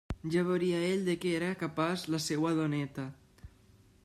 Ja veuria ell de què era capaç la seua doneta.